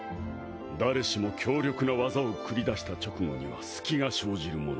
誰しも強力な技を繰り出した直後には隙が生じるもの。